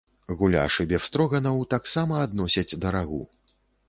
Гуляш і бефстроганаў таксама адносяць да рагу.